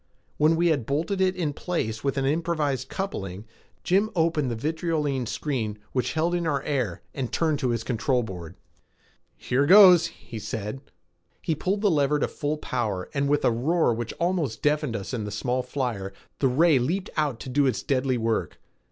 When we had bolted it in place with an improvised coupling, Jim opened the vitriolene screen which held in our air and turned to his control board. "Here goes," he said. He pulled the lever to full power and with a roar which almost deafened us in the small flyer, the ray leaped out to do its deadly work.